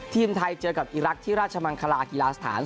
ทีมไทยเจอกับอีรักษ์ที่ราชมังคลากีฬาสถาน